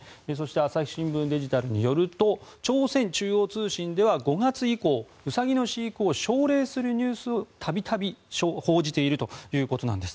朝日新聞デジタルによると朝鮮中央通信では５月以降ウサギの飼育を奨励するニュースを度々報じているということです。